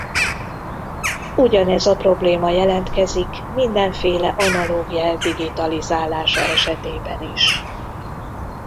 Ugyanez a probléma jelentkezik mindenféle analóg jel digitalizálása esetében is.